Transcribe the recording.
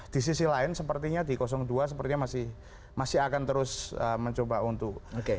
di sisi lain sepertinya di dua sepertinya masih akan terus mencoba untuk